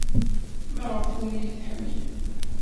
Maɣef ur iyi-tḥemmlem?